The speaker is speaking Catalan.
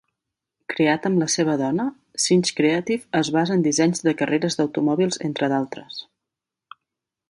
Creat amb la seva dona, "Sinch Creative" es basa en dissenys de carreres d'automòbils entre d'altres.